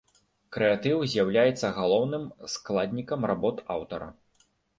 Крэатыў з'яўляецца галоўным складнікам работ аўтара.